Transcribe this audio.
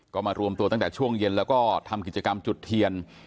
ก็มารวมตัวตั้งแต่ช่วงเย็นแล้วก็ทำกิจกรรมจุดเทียน